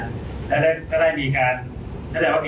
ซึ่งจากที่เราอนุญาตให้ใช้บัตรต่อขาดเสร็จแล้ว